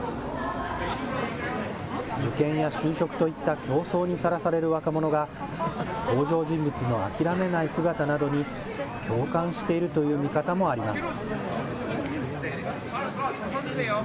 受験や就職といった競争にさらされる若者が、登場人物の諦めない姿などに共感しているという見方もあります。